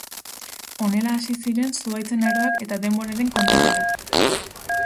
Honela hasi ziren Zuhaitzen Aroak eta denboraren kontaketa.